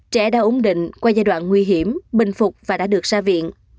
trẻ đã ổn định qua giai đoạn nguy hiểm bình phục và đã được ra viện